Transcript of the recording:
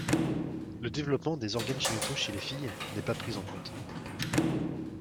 Le développement des organes génitaux chez les filles n'est pas pris en compte.